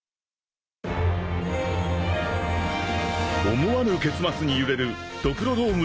［思わぬ結末に揺れるドクロドーム頂上決戦］